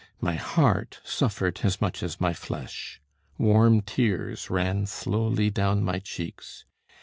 My heart suffered as much as my flesh. Warm tears ran slowly down my cheeks.